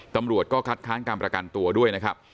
ตำรวจก็คัดค้างการประกันตัวด้วยนะครับ